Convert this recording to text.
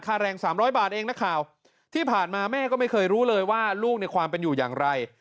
แรงสามร้อยบาทเองนักข่าวที่ผ่านมาแม่ก็ไม่เคยรู้เลยว่าลูกในความเป็นอยู่อย่างไร